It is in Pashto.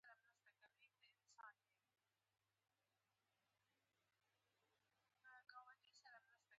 امریکا کې زېږېدلی.